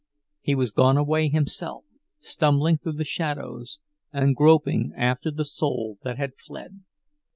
He was gone away himself, stumbling through the shadows, and groping after the soul that had fled.